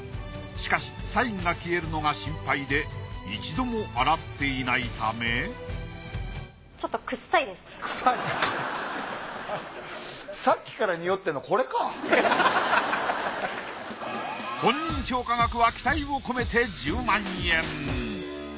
しかしサインが消えるのが心配で一度も洗っていないため本人評価額は期待を込めて１０万円。